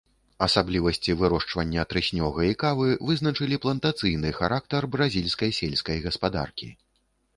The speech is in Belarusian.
Асаблівасці вырошчвання трыснёга і кавы вызначылі плантацыйны характар бразільскай сельскай гаспадаркі.